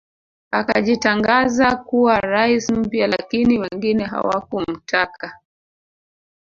Akajitangaza kuwa rais mpya lakini wengine hawakumtaka